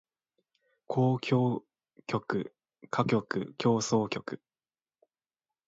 交響曲歌曲協奏曲